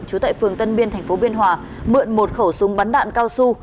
trú tại phường tân biên tp biên hòa mượn một khẩu súng bắn đạn cao su